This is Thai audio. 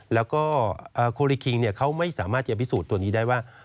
แล้วก็โคลิคิงเขาไม่สามารถจะพิสูจน์ตัวนี้ได้ว่า